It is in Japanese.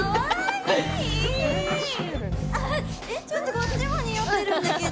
ちょっと、こっちもにおってるんだけど。